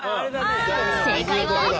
正解は。